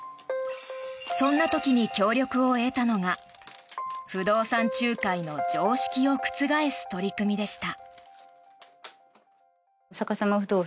そんな時に協力を得たのが不動産仲介の常識を覆す取り組みでした。